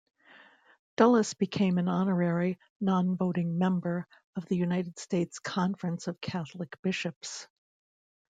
Dulles became an honorary, non-voting member of the United States Conference of Catholic Bishops.